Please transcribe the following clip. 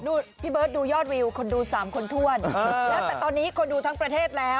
ดูพี่เบิร์ดดูยอดวิวคนดู๓คนถ้วนตอนนี้คนดูทั้งประเทศแล้ว